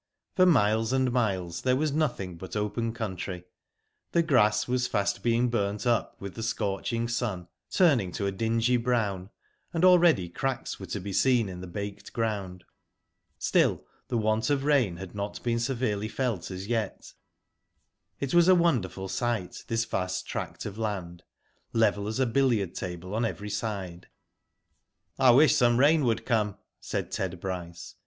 For miles and miles there was nothing but open country. The grass was fast being burnt up with the scorching sun, turning to a dingy brown, and already cracks were to be seen in the baked ground. Still, the want of rain had not been severely felt as yet. It was a wonderful sight, this vast tract of land, level as a billiard table on every side. *^ I wish some rain would come," said Ted Bryce.